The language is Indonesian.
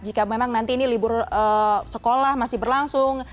jika memang nanti ini libur sekolah masih berlangsung